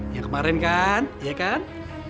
yang kemarin kan ya kan